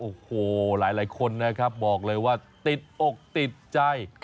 โอ้โหหลายคนนะครับบอกเลยว่าติดอกติดใจ